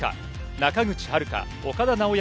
中口遥・岡田直也